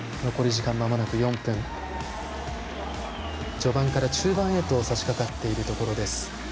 序盤から中盤へとさしかかっているところです。